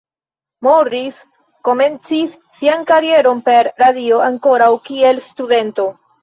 Morris komencis sian karieron per radio ankoraŭ kiel studento.